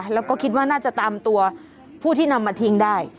แล้วก็คิดว่าน่าจะตามตัวผู้ที่นำมาทิ้งได้